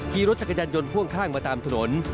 ขี่รถจักรยานยนต์พ่วงข้างมาตามถนน